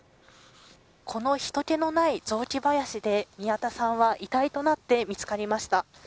この人気のない雑木林で宮田さんは遺体となって見つかりました。